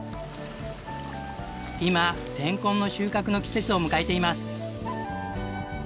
今れんこんの収穫の季節を迎えています。